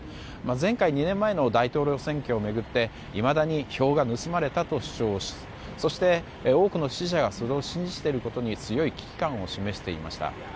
前回２年前の大統領選挙を巡っていまだに票が盗まれたと主張しそして、多くの支持者がそれを信じていることに強い危機感を示していました。